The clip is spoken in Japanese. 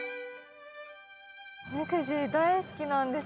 おみくじ大好きなんですよ。